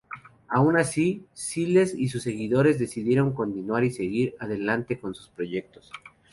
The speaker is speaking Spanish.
Aun así, Siles y sus seguidores decidieron continuar y seguir adelante con sus proyectos.